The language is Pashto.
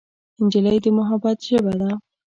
نجلۍ د محبت ژبه ده.